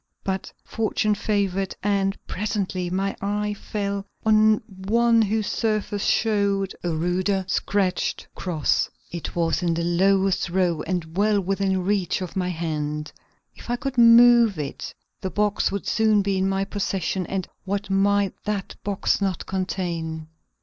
But fortune favored, and presently my eye fell on one whose surface showed a ruder, scratched cross. It was in the lowest row and well within reach of my hand. If I could move it the box would soon be in my possession and what might that box not contain!